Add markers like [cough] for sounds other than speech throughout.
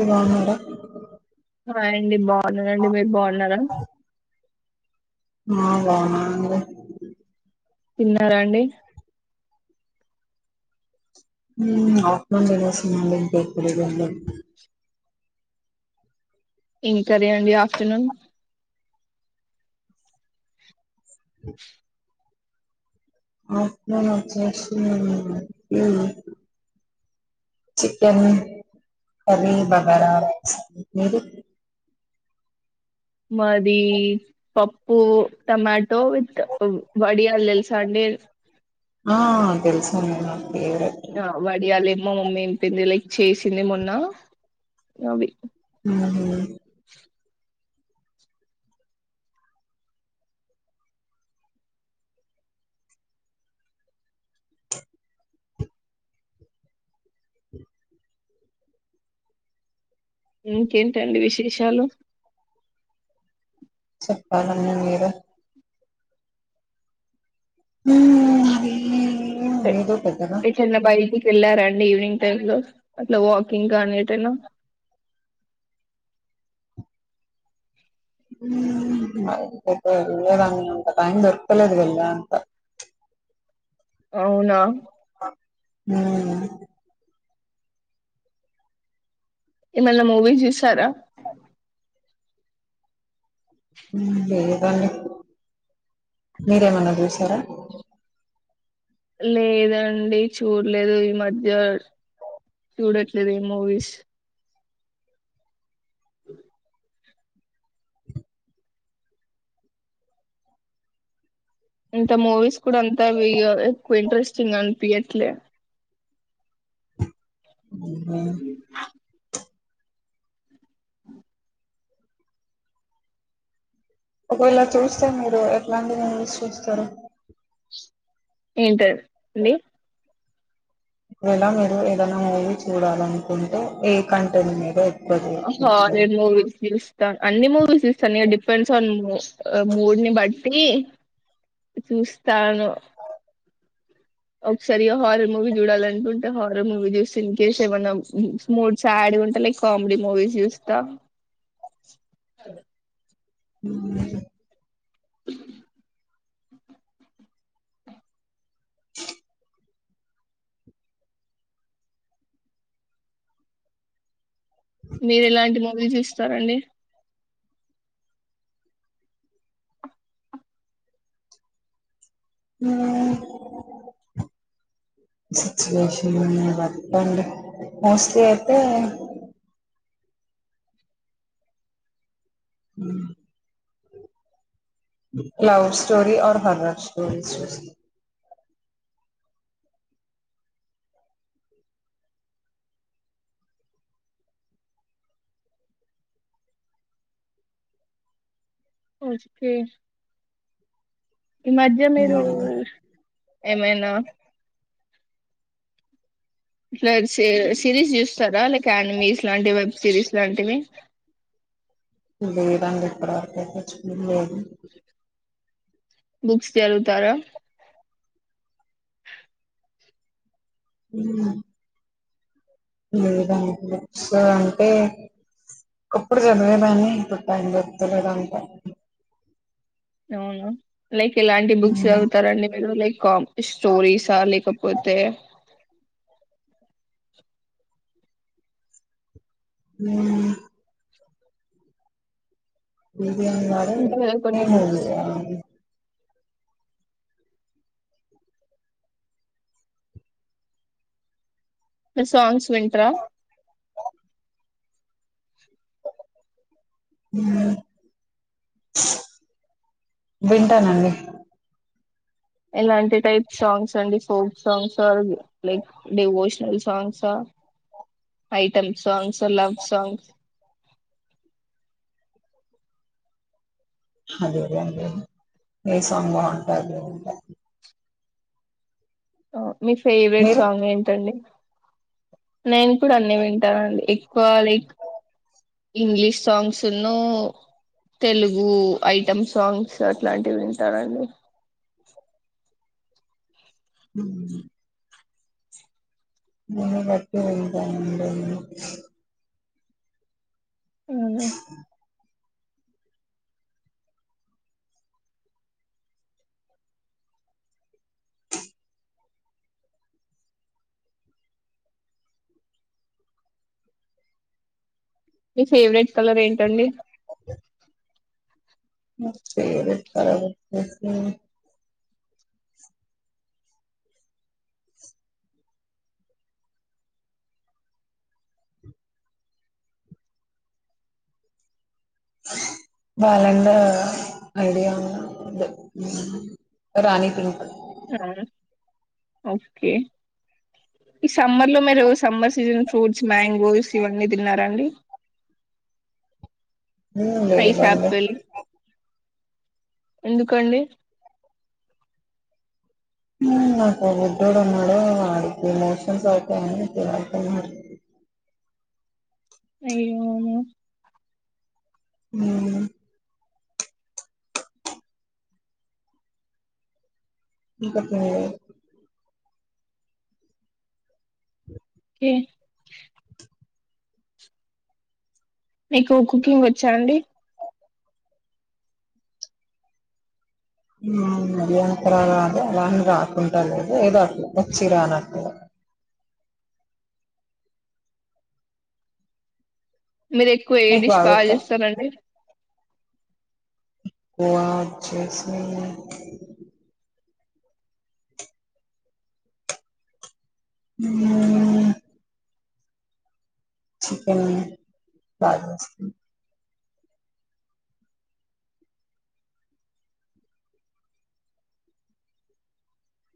అగా మార ఆ అండి బాగున్నారంండి మీరు బాగున్నారా బాగున్నామండి తిన్నారా అండి అప్పమాండగా సన్నాాలం పప వెళ్ళ ఇంకారే అండి ఆఫ్టర్నూన్ అ అప్పులాచ్చశీ నవబర్ చికెన్ కర్రీ బగరా రైస్ మాది పప్పు టమాటో విత్ వడియాలు తెలుచ అండి ఆ తెల్సానే నా వాడియాల మా మమ్మీ ఏంపింది లైక్ చేసింది మొన్న అవి హ అ అ ఇంకేంటండి విశేషాలు చెప్పాలం న మీర ఎ- ఏద ఎటైనా బయటకి వెళ్ళారాండి ఈవినింగ్ టై లో అట్లా వాకింగ్ నీటైనా వెలేదాన్ని అంత టైం దొరకలేదు వెళ్ళా అంత అవునా ఉ ఏమన్నా మూవీ చూసారా లేదండి మీరేమన్నా చూసారా లేదండి చూడలేదు ఈ మధ్య చూడట్లేదు ఈ మూవీస్ ఇంత మూవీస్ కూడా అంత ఎక్కువ ఇంట్రెస్టింగ్ అనిపియట్లే ఆ ఒకవేళ చూస్తా మీరు ఎట్లాంటి మీలీస్ చూస్తారు ఏంట అండి ఇక్కడ ఎలా మీరు ఏదనా మూవీ చూడాలనుకుంటే ఏ కంటెంట్ మీద ఎక్కువ చూ హ రే చూస్తారు? మూవీస్ తీల్స్తా అన్ని మూవీస్ ఇస్తాను ఇ డిపెండ్స్ ఆన్ మూడ్ని బట్టి చూస్తాను ఒకసారిగా హారర్ మూవీ చూడాలనుకుంటే హారర్ మూవీ చూస్తే ఇన్కస్ ఏమన్నా మూడ్స్ యాడ్ ఉంటా లైక్ కామెడీ మూవీ చూస్తా ఉ మీరు ఎలాంటి మూవీ చూస్తారంండి సిచువేషన్న్నా వ అండ్ మోస్ట్లీ అయితే అ క్లా స్టోరీ హర్రా స్టోరీస్ చ ఓ చెతే ఈ మధ్య మీరు హ్మ్ ఏమైనా ఇట్లా సిరీస్ చూస్తారా లే యానిమీస్ లాంటి వెబ్ సిరీస్ లాంటివి రంగ ఇ కూడాడ బుక్స్ తరుగుతారా హ ఏధానికి బుక్స్ అంటే ఒకప్పుడు చదివేదాన్ని ఇప్పుడు టైం చెప్తలేద అంటారు అవును లైక్ ఇలాంటి బుక్స్ హ్మ్ చదువుతారండి మీరు లైక్ కమ్ స్టోరీసా లేకపోతే మ్మ్ వె యి అన్నారు ఉంటాయి కదా కొన్ని ఏం బుక్స్ గాదులే న సాంగ్స్ వింట్రా మ్మ్ వింటానండి ఎలా అం టి టైప్ సాంగ్స్ అండి folk songs like, devotional songs, item songs, love songs. అదే [unintelligible] ఏ సాంగ్ బావుంటాది ఓ మీ ఫేవరెట్ మీరు సాంగ్ ఏంటండి నేను ఇప్పుడు అన్ని వింటానండి ఎక్కువ లైక్ ఇంగ్లీష్ సాంగ్స్ ను, తెలుగు ఐటెమ్ సాంగ్స్ అట్లాంటివి వింటానండి. హ్మ్ [unintelligible] వింటానండి అవునా మీ ఫేవరెట్ కలర్ ఏంటండి నా ఫేవరెట్ కలర్ వచ్చేసి బాలండా ఐడియా ఉందా రాణి పింక్ ఓకే ఈ సమ్మర్లో మీరు సమ్మర్ సీజన్ ఫ్రూట్స్ మ్యాంగోస్ ఇవన్నీ తిన్నారా అండి మ్మ్ ఐస్ లేదండి యాపిల్ ఎందుకండి ఉ నాకు ఒ బుడ్డోడు ఉన్నాడు వాడికి మోషన్స్ అవుతాయని తినద్దన్నారు అయ్యో ఉ ఇంకా తినలేదు కే మీకు కుకింగ్ వచ్చా అండి మరి అంతరాదు అలాని రాకుంట లేదు ఏదో అట్ల వచ్చి రానట్లు మీరు ఎక్కువ ఏ మీకు డిష్ బాగా బాగుతా చేస్తారండి వావ్ చేేసి ఊ చికెన్ బాగా చేస్తా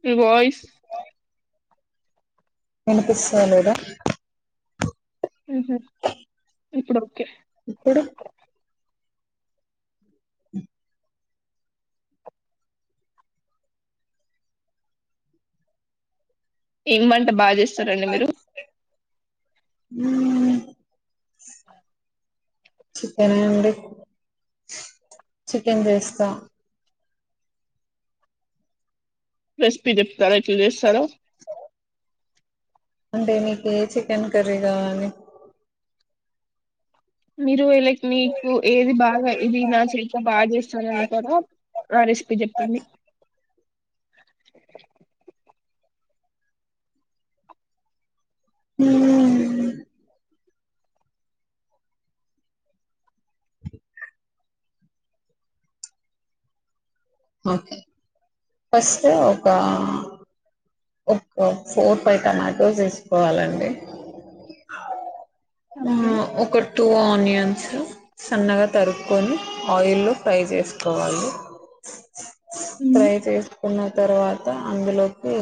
మీ వాయిస్ వినిపిస్తా లేదా ఉహు ఇప్పుడు ఒకే ఇప్పుడు ఉ ఏం వంట బాగా చేస్తారండి మీరు ఉ చికెనే అండి చికెన్ చేస్తా ప్లస్ మీరు చెప్తారా ఎట్ల చేస్తారో అంటే మీకు ఏ చికెన్ కర్రీ కావాలి మీరు లైక్ మీకు ఏది బాగా ఇది నా చేత బాగా చేస్తానని కూడా ఆ రెసిపీ చెప్పండి ఉ ఒకే ఫస్ట్ ఒకా ఒక్క ఫోర్ ఫైవ్ టమాటోస్ ఏసుకోవాలండి ఓకే ఉ ఒక టూ ఆనియన్స్ సన్నగా తరుపుకొని ఆయిల్ లో ఫ్రై చేసుకోవాలి మ్మ్ ఫ్రై చేసి న్న తర్వాత అందులోకి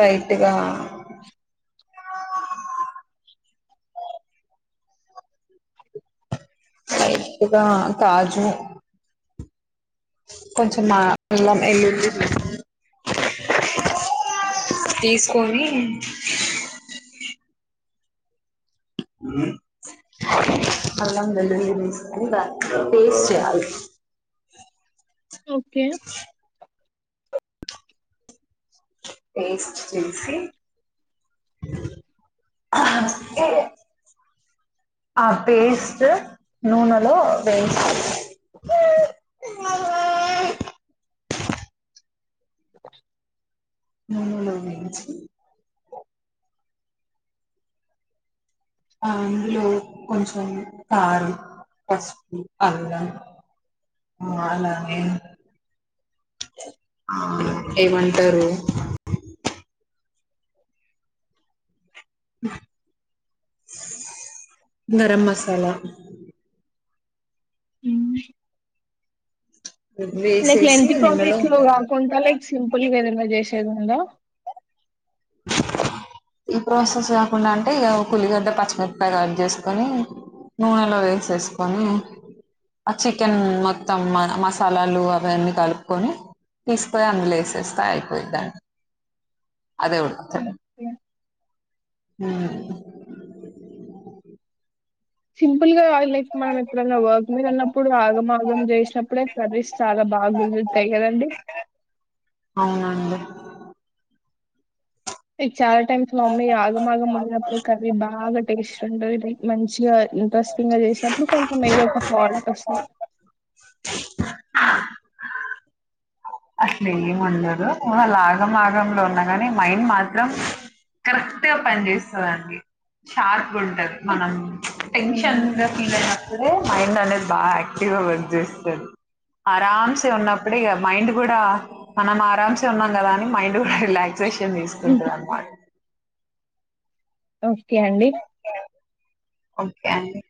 లైట్గా ఎప్పుద కాజు కొంచం మా ఎళ్ళ తీసుకొని అల్లం వెల్లులి వేసుకొని బ టేస్ట్ చేయాలి ఒకే పేస్ట్ చేసి ఆ పేస్ట్ నూనెలో వే మనలో వసి ఆ అందులో కొంచెం కారు పసుపు అల్లం ఆ అలాగ ఆ ఏమంటారు గరం మసాలా హ లైక్ వేసేసి లంతీ ప్రాసెస్ నూనెలో లో కాకుంంటా లైక్ సింపుల్గాద చేసదందా ఈ ప్రాసెస్ కాకుండా అంటే ఇక కూలిగడ్డ పచ్చిమిరపకాయ కట్ చేసుకొని నూనెలో వేసేసుకొని ఆ చికెన్ మొత్తం మసాలాలు అవన్నీ కలుపుకొని తీసుకయి అందులో వేసేస్తా అయిపోయిద్దండి అదే ఉడుకుతేలే ఓకే. సింపుల్ గా ఆయిల్ లైఫ మనం ఎప్పుడనా వర్క్ మీద వెళ్న్నప్పుడు ఆగం ఆగం చేసినప్పుడే సర్వీస్ చాలా బాగా గురుతాయి కదం అవునడి లైక్ చాలా టైమ్స్ మామ్మీ ఆగం ఆగం మళనప్పుడే కవిరవి బాగా టేస్ట్ ఉంట ఇది మంచిగా ఇంట్రెస్టింగ్ గా చేసినప్పుడు కొంచెం ఏదో ఒక ఫాల్ట్ వస్తుంది అసలు ఏంండదు వాళ్ళ ఆగంమాగంలో ఉన్నా కాని మైండ్ మాత్రం కరెక్ట్గా పని చేస్తుందిండి షార్ప్ ఉంటది మనం హ్మ్. టెన్షన్గా ఫీల్ అ మైండ్ అనేది బాగా యాక్టివ్ గా వర్క్ చేస్తుంది ఆరామ్సే ఉన్నప్పుడు ఇక మైండ్ కూడా మనం ఆరామ్సే ఉన్నాం కదా అని మైండ్ కూడా రిలాక్స్ షన్ తీసుకుంటారు అన్నమాట ఒకే అండి ఒకే అండి